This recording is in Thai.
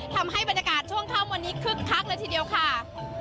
ทำให้บรรยากาศช่วงค่ำวันนี้คึกคักเลยทีเดียวค่ะ